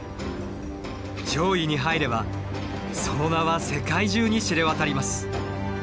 上位に入ればその名は世界中に知れ渡ります。